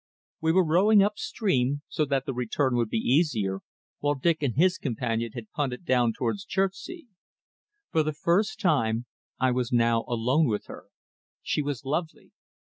We were rowing upstream, so that the return would be easier, while Dick and his companion had punted down towards Chertsey. For the first time I was now alone with her. She was lovely.